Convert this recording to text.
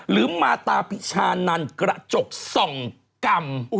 หรือมาตาพิชานันกระจกส่องกรรม